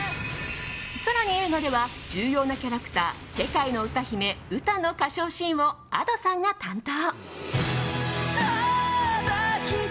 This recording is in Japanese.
更に映画では重要なキャラクター世界の歌姫ウタの歌唱シーンをＡｄｏさんが担当。